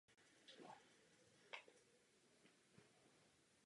V Belgii je téměř každý druh piva podáván v jeho vlastním typu skla.